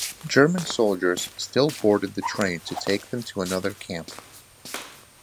German soldiers still boarded the train to take them to another camp.